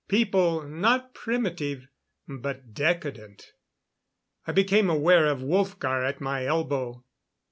People, not primitive but decadent. I became aware of Wolfgar at my elbow.